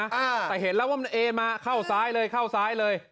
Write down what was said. อ่าแต่เห็นแล้วว่ามันเอ็นมาเข้าซ้ายเลยเข้าซ้ายเลย